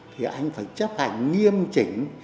thì anh phải chấp hành nghiêm trình